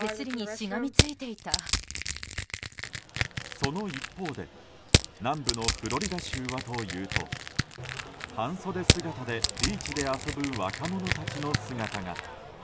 その一方で南部のフロリダ州はというと半袖姿でビーチで遊ぶ若者たちの姿が。